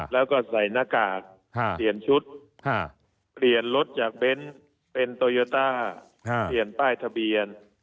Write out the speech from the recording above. แล้วก็ใส่หน้ากากเปลี่ยนชุดเปลี่ยนรถจากเบ้นเป็นโตโยต้าเปลี่ยนป้ายทะเบียน